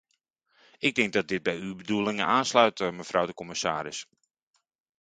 Ik denk dat dit bij uw bedoelingen aansluit, mevrouw de commissaris!